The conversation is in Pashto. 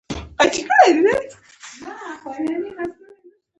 اخلاق یعنې ژوند ته درناوی.